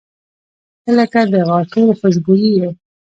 • ته لکه د غاټول خوشبويي یې.